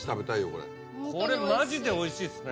これマジでおいしいっすね。